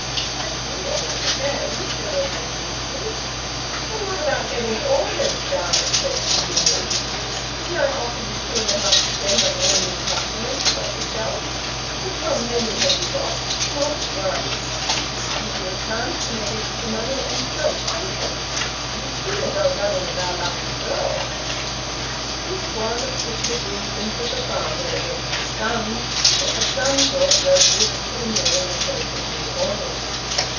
"I do all I can," said Edwin meekly. "And what about getting orders?" Darius questioned grimly. "Didn't I offer you two and a half per cent on all new customers you got yourself? And how many have you got? Not one. I give you a chance to make extra money and you don't take it. Ye'd sooner go running about after girls." This was a particular grievance of the father against the son: that the son brought no grist to the mill in the shape of new orders.